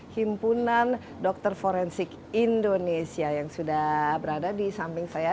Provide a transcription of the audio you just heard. himpunan dokter forensik indonesia yang sudah berada di samping saya